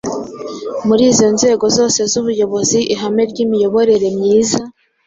Muri izo nzego zose z’ubuyobozi ihame ry’imiyoborere myiza,